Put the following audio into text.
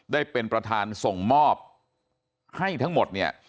ได้เป็นประธานส่งมอบให้ทั้งหมดเนี่ย